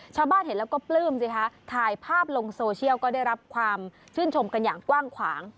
ชาวบ้านเห็นแล้วก็ปลื้มสิคะถ่ายภาพลงโซเชียลก็ได้รับความชื่นชมกันอย่างกว้างขวาง